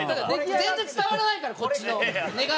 全然伝わらないからこっちの願いが。